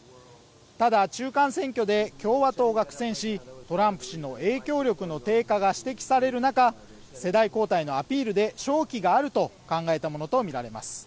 ただ中間選挙で共和党が苦戦しトランプ氏の影響力の低下が指摘される中世代交代のアピールで勝機があると考えたものと見られます